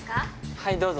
はいどうぞ。